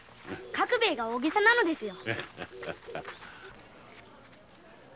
角兵衛が大ゲサなのですよ。